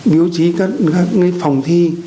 bố trí các phòng thi